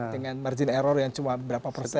dengan margin error yang cuma berapa persen